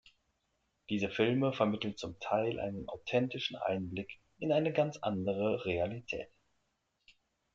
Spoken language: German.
Diese Filme vermitteln zum Teil einen authentischen Einblick in eine ganz andere Realität.